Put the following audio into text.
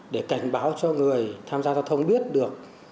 để cảnh báo cho người tham gia giao thông biết được